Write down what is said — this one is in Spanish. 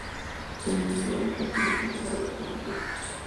Fue miembro del Partido Conservador Colombiano.